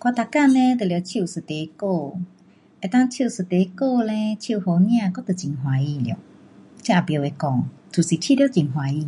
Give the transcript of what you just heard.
我每天嘞都得唱一首歌，那个唱一首歌嘞，唱好听我就很欢喜了。这也不晓讲。就是觉得很欢喜。